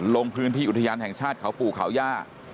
ลงพื้นที่อุทยานแห่งชาติเขาปู่เขาย่า